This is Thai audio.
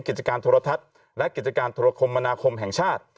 กิจการโทรทัศน์และกิจการธุรคมมนาคมแห่งชาติ